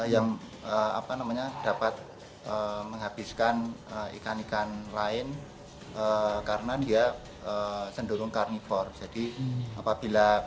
yang dapat menghabiskan ikan ikan yang berbahaya dan invasif di perairan indonesia